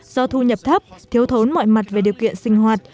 do thu nhập thấp thiếu thốn mọi mặt về điều kiện sinh hoạt